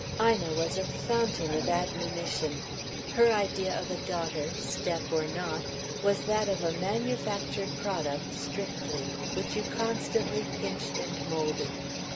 Ina was a fountain of admonition. Her idea of a daughter, step or not, was that of a manufactured product, strictly, which you constantly pinched and moulded.